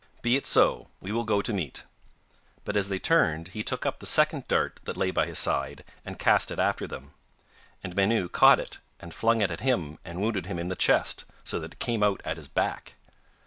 'Be it so; we will go to meat,' but as they turned he took up the second dart that lay by his side and cast it after them. And Menw caught it, and flung it at him, and wounded him in the chest, so that it came out at his back.